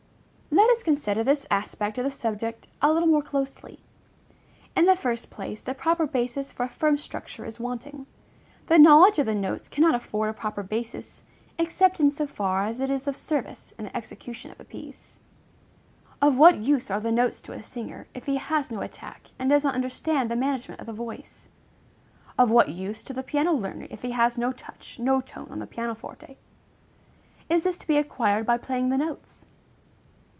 Let us consider this aspect of the subject a little more closely. In the first place, the proper basis for a firm structure is wanting. The knowledge of the notes cannot afford a proper basis, except in so far as it is of service in the execution of a piece. Of what use are the notes to a singer, if he has no attack, and does not understand the management of the voice? of what use to the piano learner, if he has no touch, no tone on the piano forte. Is this to be acquired by playing the notes?